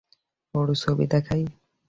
ওর ছবি দেখাই?